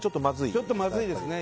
ちょっとまずいですね。